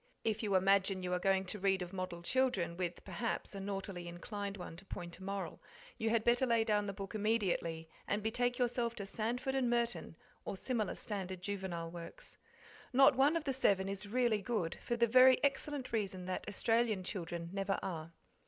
If you imagine you are going to read of model children, with perhaps; a naughtily inclined one to point a moral, you had better lay down the book immediately and betake yourself to 'Sandford and Merton' or similar standard juvenile works. Not one of the seven is really good, for the very excellent reason that Australian children never are.